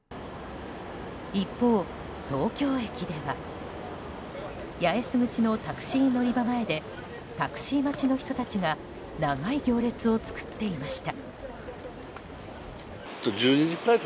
一方、東京駅では八重洲口のタクシー乗り場前でタクシー待ちの人たちが長い行列を作っていました。